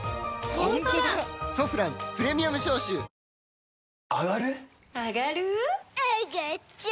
「ソフランプレミアム消臭」小峠）